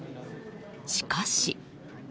しかし。